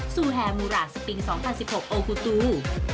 ซูแฮมูราสปิง๒๐๑๖โอกูตู